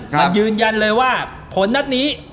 มายืนยันเลยว่าผลนัดนี้